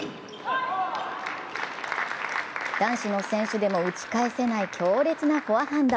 男子の選手でも打ち返せない強烈なフォアハンド。